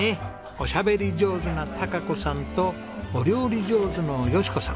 おしゃべり上手な貴子さんとお料理上手の佳子さん。